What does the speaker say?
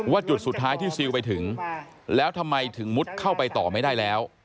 จุดสุดท้ายที่ซิลไปถึงแล้วทำไมถึงมุดเข้าไปต่อไม่ได้แล้ว